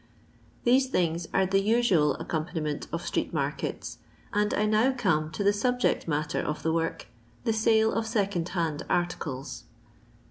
These things are the usual accompaniment of street markets, and I now come to the subject matter of the work, the sale of second hand articles.